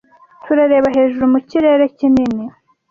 Turareba hejuru mu kirere kinini,